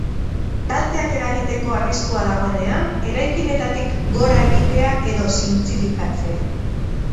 Kalteak eragiteko arriskua dagoenean, eraikinetatik gora egitea edo zintzilikatzea.